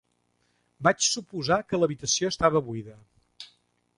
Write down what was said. Vaig suposar que l'habitació estava buida.